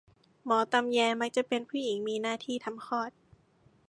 หมอตำแย มักจะเป็นผู้หญิง มีหน้าที่ทำคลอด